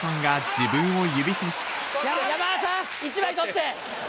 山田さん１枚取って。